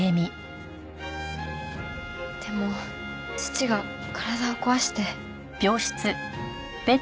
でも父が体を壊して。